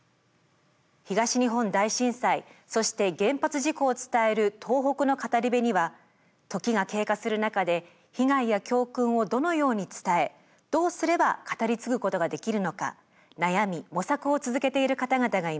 東日本大震災そして原発事故を伝える東北の語り部には時が経過する中で被害や教訓をどのように伝えどうすれば語り継ぐことができるのか悩み模索を続けている方々がいます。